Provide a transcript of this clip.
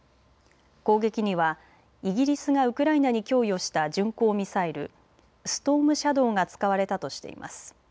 攻撃にはイギリスがウクライナに供与した巡航ミサイル、ストームシャドーが使われたとしています。